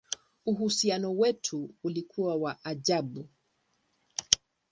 Uhusiano wetu ulikuwa wa ajabu!